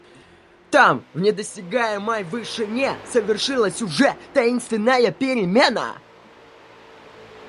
Там, в недосягаемой вышине, совершилась уже таинственная перемена.